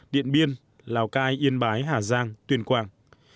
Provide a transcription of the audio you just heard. điện biên lào cai yên bái hà giang tuyền quảng